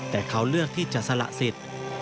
แต่เขาเลือกที่จะสละสิทธิ์